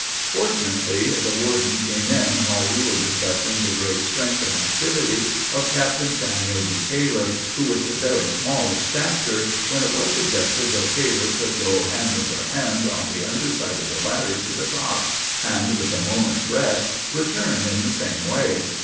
Fortunately the warden came in while we were discussing the great strength and activity of Captain Samuel B. Taylor, who was very small of stature, when it was suggested that Taylor could go hand over hand on the under side of the ladder to the top, and, with a moment's rest, return in the same way.